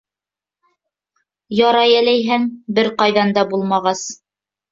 — Ярай әләйһәң, бер ҡайҙан да булмағас.